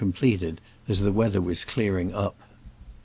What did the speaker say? completed, as the weather was clearing up.